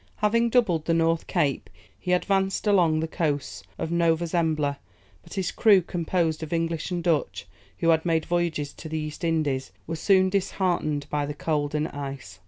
Having doubled the North Cape, he advanced along the coasts of Nova Zembla; but his crew, composed of English and Dutch, who had made voyages to the East Indies, were soon disheartened by the cold and ice.